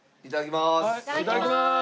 いただきます。